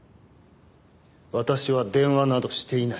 私は電話などしていない。